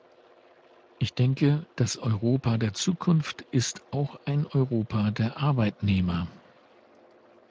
Ich denke, das Europa der Zukunft ist auch ein Europa der Arbeitnehmer.